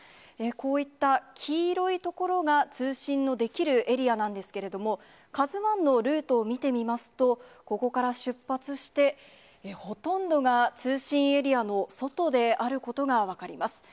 こういった黄色い所が通信のできるエリアなんですけれども、カズワンのルートを見てみますと、ここから出発して、ほとんどが通信エリアの外であることが分かります。